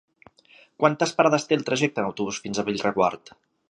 Quantes parades té el trajecte en autobús fins a Bellreguard?